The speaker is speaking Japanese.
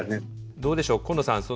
どうでしょう紺野さん。